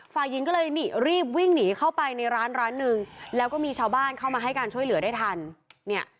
ฝ่ายหญิงก็เลยนี่รีบวิ่งหนีเข้าไปในร้านร้านหนึ่งแล้วก็มีชาวบ้านเข้ามาให้การช่วยเหลือได้ทันเนี่ย